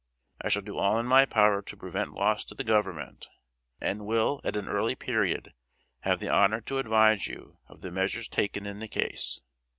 I shall do all in my power to prevent loss to the Government, and will at an early period have the honor to advise you of the measures taken in the case."